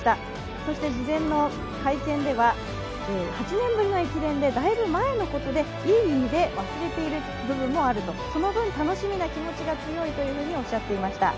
そして事前の会見では、８年ぶりの駅伝でだいぶ前のことでいい意味で忘れている部分もあると、その分、楽しみな気持ちが強いとおっしゃっていました。